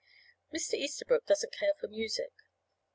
Mr. Easterbrook doesn't care for music.